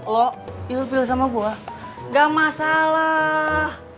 lo ill feel sama gue gak masalah